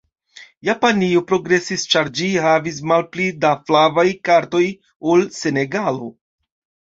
Japanio progresis ĉar ĝi havis malpli da flavaj kartoj ol Senegalo.